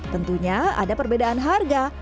tentunya ada perbedaan harga